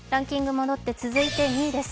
戻って続いて２位です。